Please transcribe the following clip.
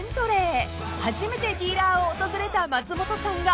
［初めてディーラーを訪れた松本さんが耳にした言葉とは？］